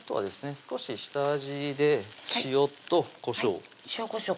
少し下味で塩とこしょう塩・こしょう